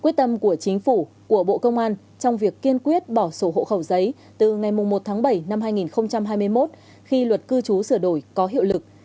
quyết tâm của chính phủ của bộ công an trong việc kiên quyết bỏ sổ hộ khẩu giấy từ ngày một tháng bảy năm hai nghìn hai mươi một khi luật cư trú sửa đổi có hiệu lực